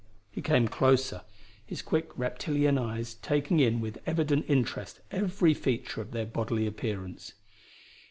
He came closer, his quick reptilian eyes taking in with evident interest every feature of their bodily appearance.